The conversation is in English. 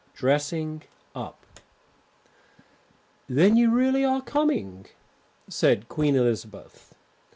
DRESSING UP "Then you really are coming?" said Queen Elizabeth.